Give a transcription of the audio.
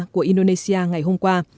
của indonesia ngày hôm qua